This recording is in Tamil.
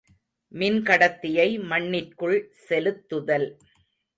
மின்கடத்தியை மண்ணிற்குள் செலுத்துதல்.